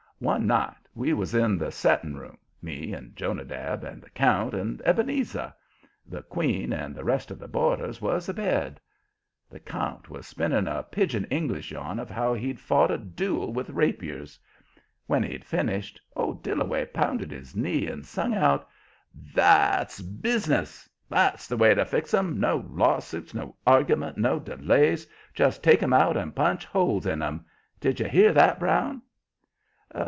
One night we was in the setting room me and Jonadab and the count and Ebenezer. The "queen" and the rest of the boarders was abed. The count was spinning a pigeon English yarn of how he'd fought a duel with rapiers. When he'd finished, old Dillaway pounded his knee and sung out: "That's bus'ness! That's the way to fix 'em! No lawsuits, no argument, no delays. Just take 'em out and punch holes in 'em. Did you hear that, Brown?"